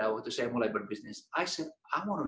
dan saya berpikir tentang membangun sebuah kota suatu hari